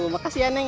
makasih ya neng